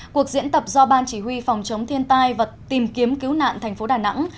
cuộc diễn tập do ban chỉ huy phòng chống thiên tai và tìm kiếm cứu nạn thành phố đà nẵng